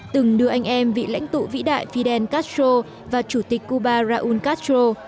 từng đưa anh em vị lãnh tụ vĩ đại fidel castro và chủ tịch cuba raúl castro